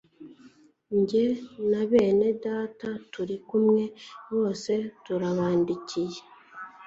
jye na bene data turi kumwe bose turabandikiye